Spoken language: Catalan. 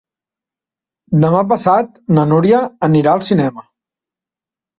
Demà passat na Núria anirà al cinema.